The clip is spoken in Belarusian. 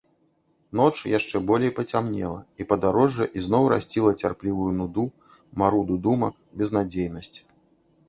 Ноч яшчэ болей пацямнела, і падарожжа ізноў расціла цярплівую нуду, маруду думак, безнадзейнасць.